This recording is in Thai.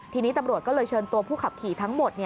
ทีนี้ตำรวจก็เลยเชิญตัวผู้ขับขี่ทั้งหมด